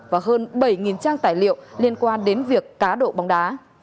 và hơn bảy trang tài liệu liên quan đến việc cá độ bóng đá